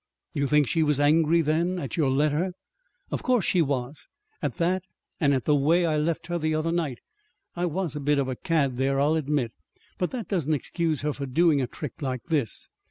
"You think she was angry, then, at your letter?" "Of course she was at that, and at the way I left her the other night. I was a bit of a cad there, I'll admit; but that doesn't excuse her for doing a trick like this.